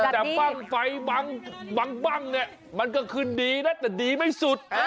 จากบ้างไฟบังแน่มันก็คือดีนะแต่ดีไม่สุด